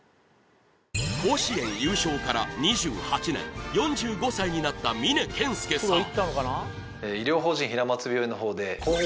甲子園優勝から２８年４５歳になった峯謙介さん